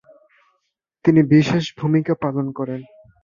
তিনি বিশেষ ভূমিকা পালন করেন।